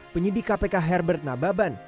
penyidik kpk herbert nababan